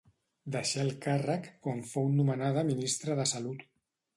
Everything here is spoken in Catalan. Deixà el càrrec quan fou nomenada Ministra de Salut.